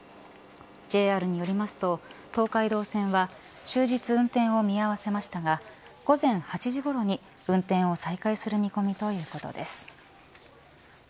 ＪＲによりますと、東海道線は終日運転を見合わせましたが午前８時ごろに運転を再開する見込みということです。